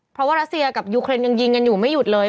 เพราะว่ารัสเซียกับยูเครนยังยิงกันอยู่ไม่หยุดเลย